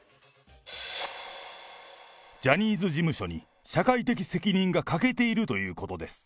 ジャニーズ事務所に社会的責任が欠けているということです。